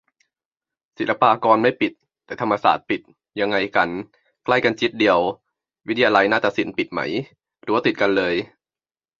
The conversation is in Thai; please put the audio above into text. ศิลปากรไม่ปิด แต่ธรรมศาสตร์ปิด ยังไงกัน ใกล้กันจิ๊ดเดียว วิทยาลัยนาฏศิลป์ปิดไหม ? รั้วติดกันเลย